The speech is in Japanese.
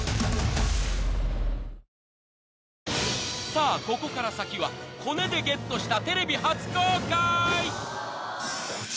［さあここから先はコネでゲットしたテレビ初公開］